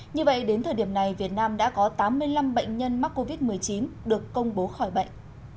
như vậy đến thời điểm này việt nam đã có tám mươi năm bệnh nhân mắc covid một mươi chín được công bố khỏi bệnh